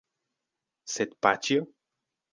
Sed paĉjo?